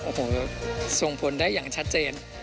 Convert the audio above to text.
โอ้โหส่งผลได้อย่างชัดเจน